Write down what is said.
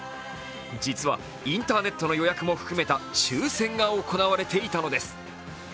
実はインターネットの予約も含めた抽選が行われていたのです。